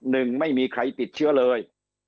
หนึ่งไม่มีใครติดเชื้อเลย